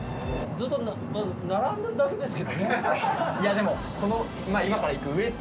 ずっと並んでるだけですけどね。